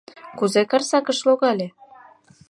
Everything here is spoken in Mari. Кузе Карсакыш логале?